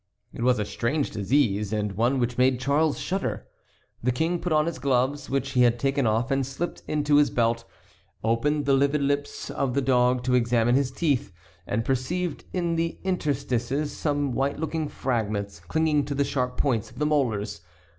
It was a strange disease, and one which made Charles shudder. The King put on his gloves, which he had taken off and slipped into his belt, opened the livid lips of the dog to examine his teeth, and perceived in the interstices some white looking fragments clinging to the sharp points of the molars.